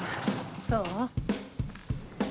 そう。